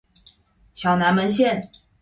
小南門線